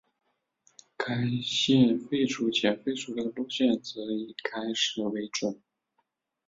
该线废除前废除的路线则以该时为准。